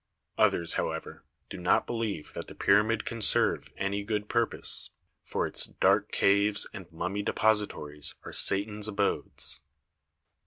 Others, however, do not believe that the pyramid can serve any good purpose, for its "dark caves and mummy deposi tories are Satan's abodes."